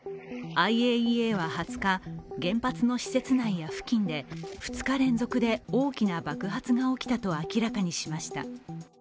ＩＡＥＡは２０日、原発の施設内や付近で２日連続で大きな爆発が起きたと明らかにしました。